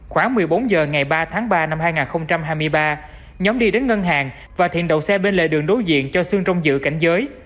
khoảng một mươi bốn h ngày ba tháng ba năm hai nghìn hai mươi ba nhóm đi đến ngân hàng và thiện đậu xe bên lề đường đối diện cho sương trong dự cảnh giới